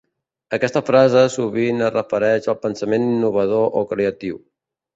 Aquesta frase sovint es refereix al pensament innovador o creatiu.